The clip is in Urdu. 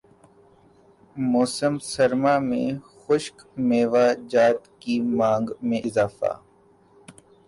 موسم سرما میں خشک میوہ جات کی مانگ میں اضافہ